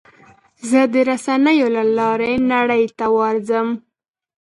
زه د رسنیو له لارې نړۍ ته ورځم.